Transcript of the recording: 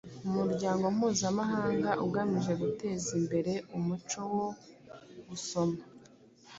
Umuryango mpuzamahanga ugamije guteza imbere umuco wo gusoma